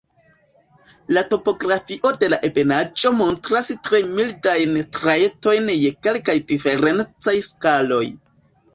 La topografio de la ebenaĵo montras tre mildajn trajtojn je kelkaj diferencaj skaloj.